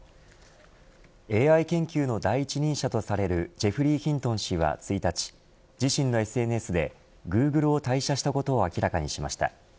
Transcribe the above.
ＡＩ研究の第一人者とされるジェフリー・ヒントン氏は１日自身のＳＮＳでグーグルを退社したことを明らかにしました。